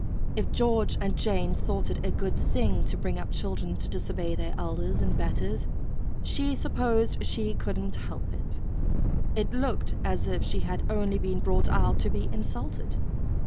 If George and Jane thought it a good thing to bring up children to disobey their elders and betters, she supposed she couldn't help it. It looked as if she had only been brought out to be insulted.